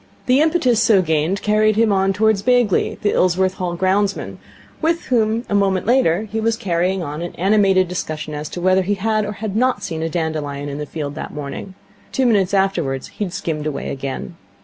The impetus so gained carried him on towards Bagley, the Ilsworth Hall ground man, with whom a moment later he was carrying on an animated discussion as to whether he had or had not seen a dandelion on the field that morning. Two minutes afterwards he had skimmed away again.